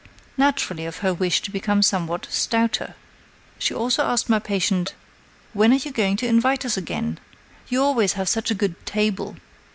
Naturally of her wish to become somewhat stouter. She also asked my patient: "When are you going to invite us again? You always have such a good table."